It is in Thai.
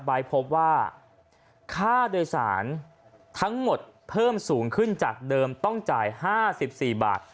พบว่าค่าโดยสารทั้งหมดเพิ่มสูงขึ้นจากเดิมต้องจ่าย๕๔บาท